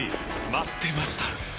待ってました！